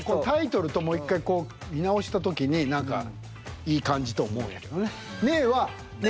タイトルともう１回こう見直した時に何かいい感じと思うんやけどね。